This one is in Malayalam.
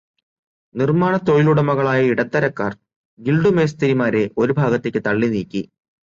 നിർമാണത്തൊഴിലുടമകളായ ഇടത്തരക്കാർ ഗിൽഡുമേസ്തിരിമാരെ ഒരു ഭാഗത്തേക്കു തള്ളിനീക്കി.